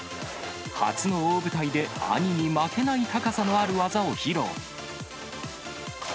初の大舞台で兄に負けない高さのある技を披露。